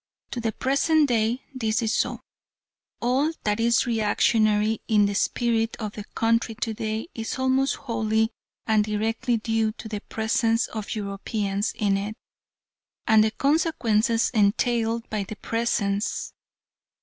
To the present day this is so. All that is reactionary in the spirit of the country to day is almost wholly and directly due to the presence of Europeans in it, and the consequences entailed by that presence.